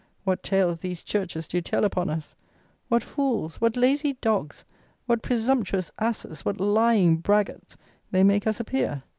What tales these churches do tell upon us! What fools, what lazy dogs, what presumptuous asses, what lying braggarts, they make us appear!